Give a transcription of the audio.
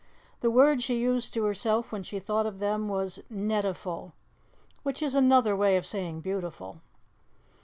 The word she used to herself when she thought of them was "netiful," which is Anuther way of saying beautiful.